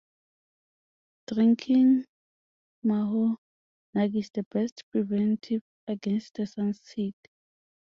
Drinking mahogany is the best preventive against the sun's heat.